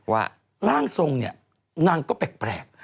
ว่าร่างทรงนางก็แปลก